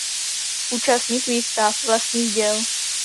Účastník výstav vlastních děl.